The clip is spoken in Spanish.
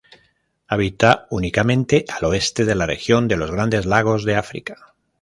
Habita únicamente al oeste de la región de los Grandes Lagos de África.